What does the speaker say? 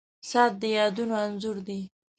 • ساعت د یادونو انځور دی.